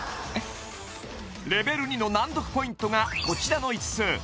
ＬＥＶＥＬ２の難読ポイントがこちらの５つ